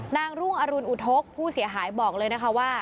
รุ่งอรุณอุทธกผู้เสียหายบอกเลยนะคะว่า